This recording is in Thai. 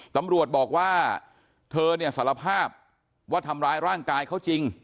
ตำรวจบอกว่าเธอเนี่ยสารภาพว่าทำร้ายร่างกายเขาจริง